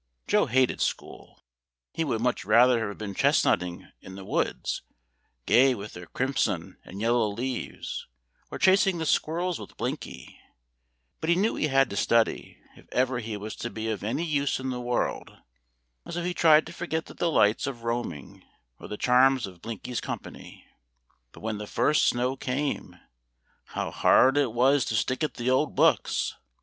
Joe hated school; he would much rather have been chestnutting in the woods, gay with their crimson and yellow leaves, or chasing the squirrels with Blinky; but he knew he had to study, if ever he was to be of any use in the world, and so he tried to forget the delights of roaming, or the charms of Blinky's company. But when the first snow came, how hard it was to stick at the old books!